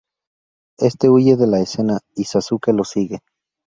Este huye de la escena y Sasuke lo sigue.